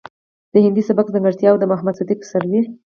د هندي سبک ځانګړټياوې او د محمد صديق پسرلي